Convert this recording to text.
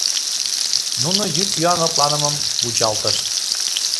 Нуно йӱк-йӱан лыпланымым вучалтышт.